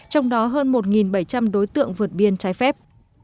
trong đó hơn một bảy trăm linh đối tượng vượt biên trái phép